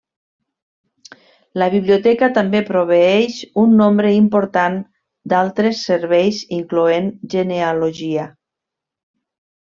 La biblioteca també proveeix un nombre important d'altres serveis incloent genealogia.